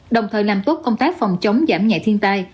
đồng thời làm tốt công tác phòng chống giảm nhẹ thiên tai